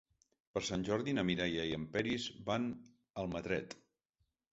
Per Sant Jordi na Mireia i en Peris van a Almatret.